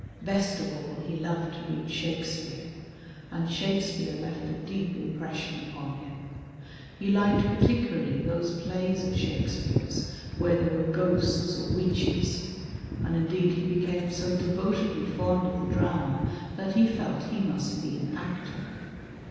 Best of all he loved to read Shakespeare, and Shakespeare left a deep impression upon him. He liked particu larly those plays of Shakespeare's where there were ghosts or witches, and indeed he became so devotedly fond of the drama that he felt he must be an actor.